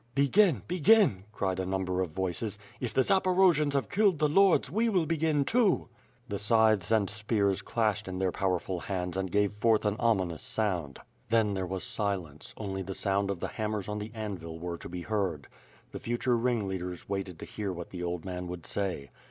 "Begin! begin!" cried a number of voices, "if the Zaporo jians have killed the lords, we will begin too." The scythes and spears clashed in their powerful hands and gave forth an ominous sound. Then there was silence, only the sound of the. hammers on the anvil were to be heard. The future ringleaders waited to hear what the old man would say.